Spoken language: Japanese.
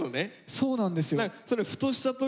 そうなんですよ。